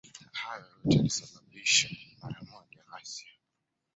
Hayo yote yalisababisha mara moja ghasia.